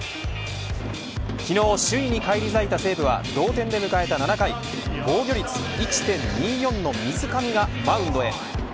昨日、首位に返り咲いた西武は同点で迎えた７回防御率１．２４の水上がマウンドへ。